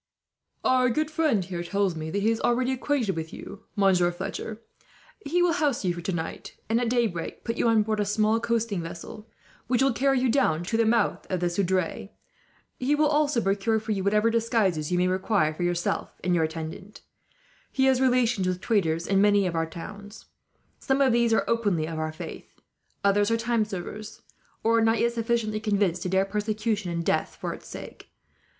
"Our good friend here tells me that he is already acquainted with you, Monsieur Fletcher. He will house you for tonight, and at daybreak put you on board a small coasting vessel, which will carry you down to the mouth of the Seudre. He will also procure for you whatever disguises you may require, for yourself and your attendant. "He has relations with traders in many of the towns. Some of these are openly of our faith, others are time servers, or are not yet sufficiently convinced to dare persecution and death for its sake.